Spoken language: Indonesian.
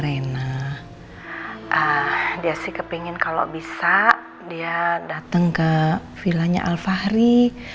rizana ah dia sih kepingin kalau bisa dia datang ke vilanya al fahri